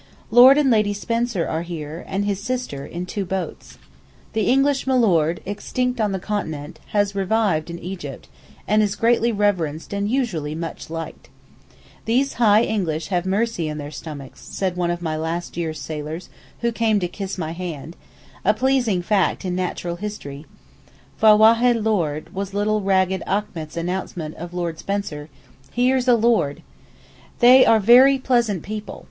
Lord and Lady Spencer are here, and his sister, in two boats. The English 'Milord,' extinct on the Continent, has revived in Egypt, and is greatly reverenced and usually much liked. 'These high English have mercy in their stomachs,' said one of my last year's sailors who came to kiss my hand—a pleasing fact in natural history! Fee wahed Lord, was little ragged Achmet's announcement of Lord Spencer—'Here's a Lord.' They are very pleasant people.